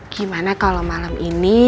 gimana kalau malam ini